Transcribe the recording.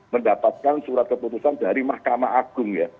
mendapatkan surat keputusan dari mahkamah agung ya